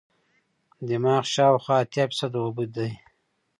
دماغ شاوخوا اتیا فیصده اوبه دي.